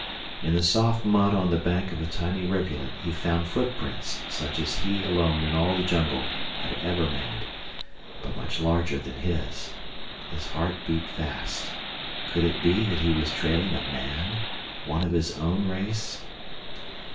In the soft mud on the bank of a tiny rivulet he found footprints such as he alone in all the jungle had ever made, but much larger than his. His heart beat fast. Could it be that he was trailing a MAN—one of his own race?